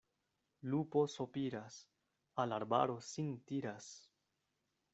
Lupo sopiras, al arbaro sin tiras.